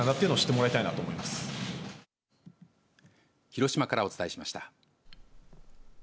広島からお伝えしました。